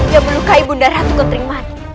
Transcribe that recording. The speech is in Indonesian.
yang melukai bunda ratu ketering mani